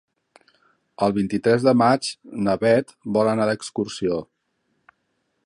El vint-i-tres de maig na Bet vol anar d'excursió.